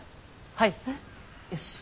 はい。